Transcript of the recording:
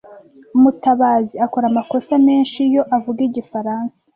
Mutabazi akora amakosa menshi iyo avuga igifaransa.